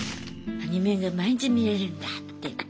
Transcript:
アニメが毎日見れるんだって